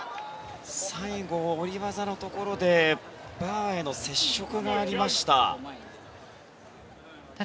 最後、下り技のところでバーへの接触がありました。